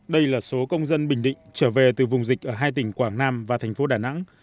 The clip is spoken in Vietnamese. đây là số công dân bình định trở về từ vùng dịch ở hai tỉnh quảng nam và thành phố đà nẵng